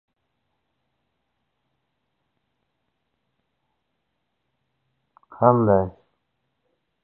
ya’ni, topgani qizlariga ketadi.